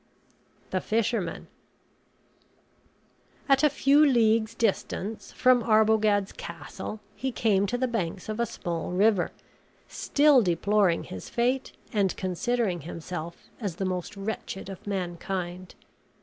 THE FISHERMAN At a few leagues' distance from Arbogad's castle he came to the banks of a small river, still deploring his fate, and considering himself as the most wretched of mankind.